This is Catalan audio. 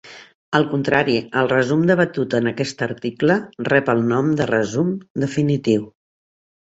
Al contrari, el resum debatut en aquest article rep el nom de "resum definitiu".